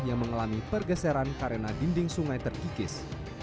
yang mengalami pergeseran karena dinding sungai terkikis